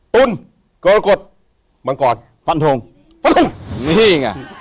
ตุ้นกรกฎมังกรฟันทงฟันทง